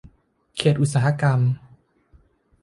เขตอุตสาหกรรม